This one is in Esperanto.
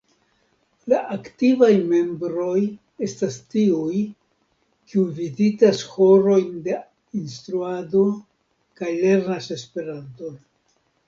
La aktivaj membroj estas tiuj, kiuj vizitas horojn de instruado kaj lernas Esperanton.